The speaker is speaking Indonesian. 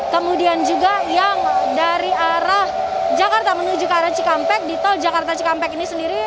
kemudian juga yang dari arah jakarta menuju ke arah cikampek di tol jakarta cikampek ini sendiri